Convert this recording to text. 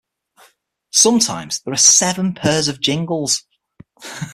Sometimes there are seven pairs of jingles.